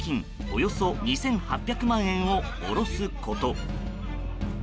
およそ２８００万円を下ろすこと。